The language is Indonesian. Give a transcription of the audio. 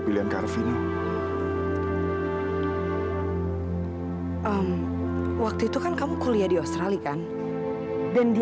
sampai jumpa di video selanjutnya